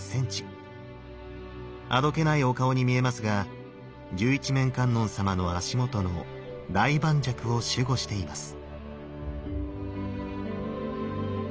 あどけないお顔に見えますが十一面観音様の足元の大磐石を守護しています。